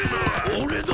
俺だ！